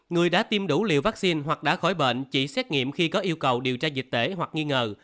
người đã tiêm đủ liều vaccine hoặc đã khỏi bệnh chỉ xét nghiệm khi có yêu cầu điều tra dịch tễ hoặc nghi ngờ